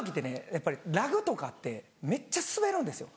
やっぱりラグとかあってめっちゃスベるんですよ